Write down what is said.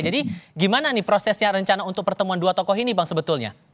jadi gimana nih prosesnya rencana untuk pertemuan dua tokoh ini bang sebetulnya